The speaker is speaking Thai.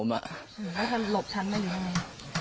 แล้วเค้าหลบฉันไม่หรือไง